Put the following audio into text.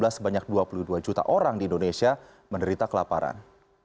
sebanyak dua puluh dua juta orang di indonesia menderita kelaparan